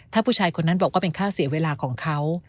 ถ้าผู้ชายคนนั้นบอกว่าเป็นค่าเสียเวลาของเขา